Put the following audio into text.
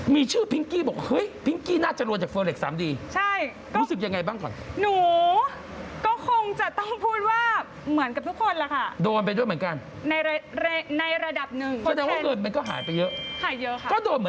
เมื่อ๓๐ปีที่แล้วที่เราเก็บหอมรำริบอะแม่